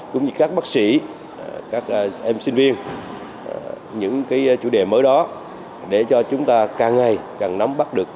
cũng như các bác sĩ các em sinh viên những cái chủ đề mới đó để cho chúng ta càng ngày càng nắm bắt được